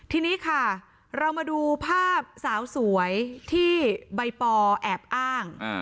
ทีนี้ค่ะเรามาดูภาพสาวสวยที่ใบปอแอบอ้าง